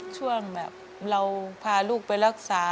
ช่วงแบบเราพาลูกไปรักษา